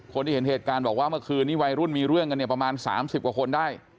คนที่เห็นเหตุการณ์บอกว่าเมื่อคืนนี้วัยรุ่นมีเรื่องกันเนี่ยประมาณ๓๐กว่าคนได้